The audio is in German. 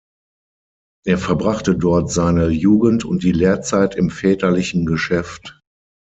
Er verbrachte dort seine Jugend und die Lehrzeit im väterlichen Geschäft.